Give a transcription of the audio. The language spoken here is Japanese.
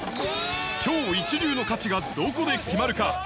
超一流の価値がどこで決まるか？